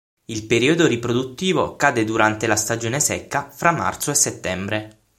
Il periodo riproduttivo cade durante la stagione secca, fra marzo e settembre.